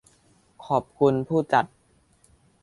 ขอบคุณผู้จัด